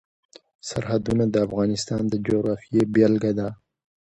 سرحدونه د افغانستان د جغرافیې بېلګه ده.